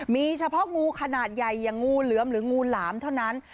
มีเฉพาะงูขนาดใหญ่อย่างงูเหลือมหรืองูหลามเท่านั้น